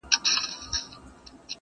چي یې سور د میني نه وي په سینه کي,